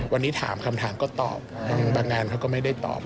วันนี้ถามคำถามก็ตอบบางงานเขาก็ไม่ได้ตอบ